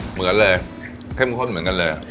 เหมือนเลยเข้มข้นเหมือนกันเลย